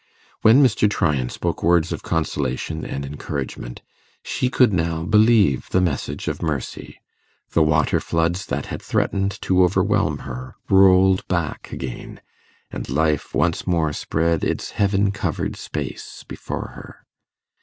When Mr. Tryan spoke words of consolation and encouragement, she could now believe the message of mercy; the water floods that had threatened to overwhelm her rolled back again, and life once more spread its heaven covered space before her.